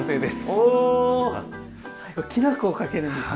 お最後きな粉をかけるんですね。